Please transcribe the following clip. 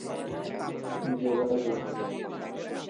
যোগাযোগ